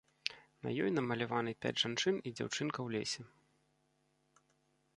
На ёй намаляваны пяць жанчын і дзяўчынка ў лесе.